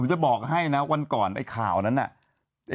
ผมจะบอกให้นะวันก่อนไอ้ข่าวนั้นน่ะ